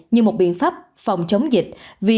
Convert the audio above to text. như một biện pháp phòng chống dịch